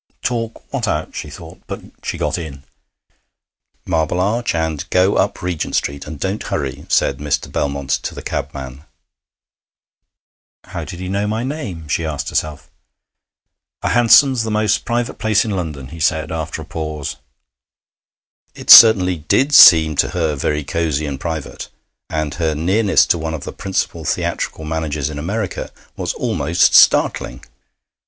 'Talk what out?' she thought. But she got in. 'Marble Arch, and go up Regent Street, and don't hurry,' said Mr. Belmont to the cabman. 'How did he know my name?' she asked herself. 'A hansom's the most private place in London,' he said after a pause. It certainly did seem to her very cosy and private, and her nearness to one of the principal theatrical managers in America was almost startling.